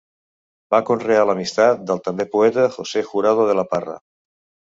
Va conrear l'amistat del també poeta José Jurado de la Parra.